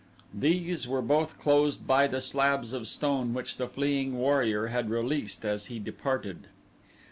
These were both closed by the slabs of stone which the fleeing warrior had released as he departed.